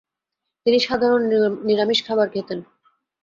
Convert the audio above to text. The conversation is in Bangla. তিনি সাধারণ নিরামিষ খাবার খেতেন।